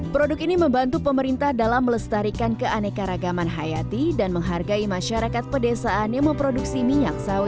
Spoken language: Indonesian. produk ini membantu pemerintah dalam melestarikan keanekaragaman hayati dan menghargai masyarakat pedesaan yang memproduksi minyak sawit